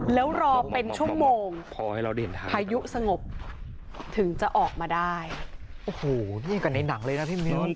แล้วรอเป็นชั่วโมงพอให้เราได้พายุสงบถึงจะออกมาได้โอ้โหยิ่งกันในหนังเลยนะพี่มิ้ว